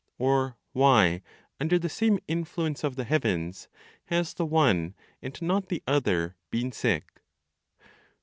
Or, why, under the same influence of the heavens, has the one, and not the other, been sick?